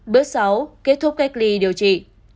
bước sáu kết thúc cách ly điều trị